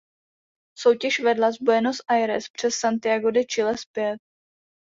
Soutěž vedla z Buenos Aires přes Santiago de Chile zpět.